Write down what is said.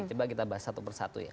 coba kita bahas satu persatu ya